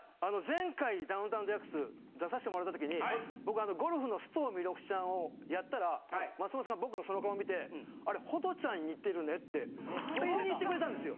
前回『ダウンタウンＤＸ』出させてもらった時に僕あのゴルフの須藤弥勒ちゃんをやったら松本さんが僕のその顔見てあれホトちゃんに似てるねって僕に言ってくれたんですよ。